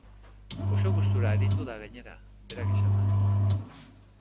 Oso gustura aritu da gainera, berak esanda.